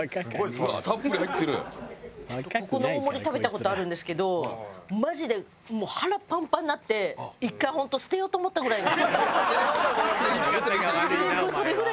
ここの大盛り食べた事あるんですけどマジで腹パンパンになって１回本当捨てようと思ったぐらいです。